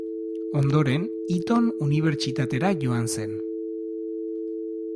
Ondoren, Eton Unibertsitatera joan zen.